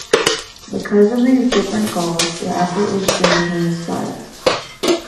Because of these different goals, the effort was doomed from the start.